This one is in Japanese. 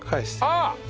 あっ！